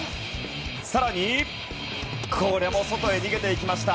更に、これも外に逃げていきました。